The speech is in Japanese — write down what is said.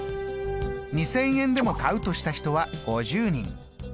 ２０００円でも買うとした人は５０人。